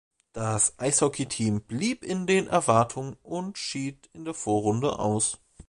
Das Eishockey-Team blieb in den Erwartungen und schied in der Vorrunde aus.